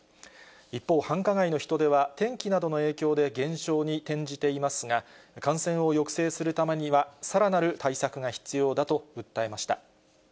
一方、繁華街の人出は、天気などの影響で減少に転じていますが、感染を抑制するためには、さらなる対策が必要だと訴えました。